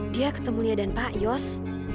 dia ketemu dia dan pak yos